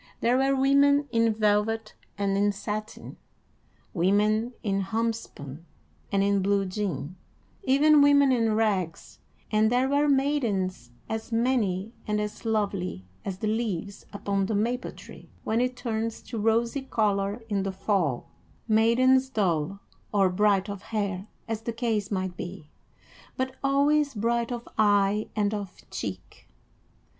There were women in velvet and in satin, women in homespun and in blue jean, even women in rags; and there were maidens as many and as lovely as the leaves upon the maple tree when it turns to rosy color in the fall, maidens dull or bright of hair as the case might be, but always bright of eye and of cheek.